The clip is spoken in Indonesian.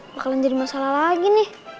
bakalan jadi masalah lagi nih